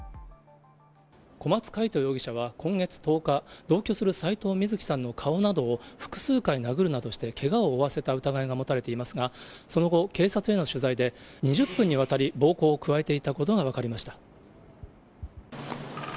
小松魁人容疑者は、今月１０日、同居する斎藤瑞希さんの顔などを複数回殴るなどしてけがを負わせた疑いが持たれていますが、その後、警察への取材で２０分にわたり、暴行を加えていたことが分かりました。